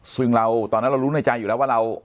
ซึ่งเราตอนนั้นเรารู้ในใจอยู่แล้วว่าเรา